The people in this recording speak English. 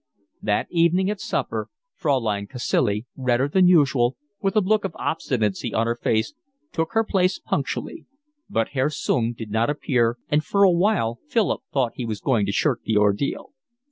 That evening at supper Fraulein Cacilie, redder than usual, with a look of obstinacy on her face, took her place punctually; but Herr Sung did not appear, and for a while Philip thought he was going to shirk the ordeal.